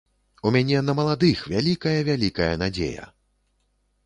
У мяне на маладых вялікая-вялікая надзея.